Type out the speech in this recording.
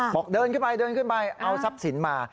บอกเดินขึ้นไปเอาทรัพย์สินมา